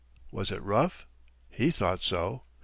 Was it rough? He thought so.